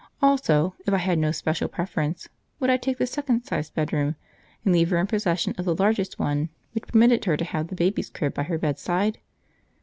also, if I had no special preference, would I take the second sized bedroom and leave her in possession of the largest one, which permitted her to have the baby's crib by her bedside?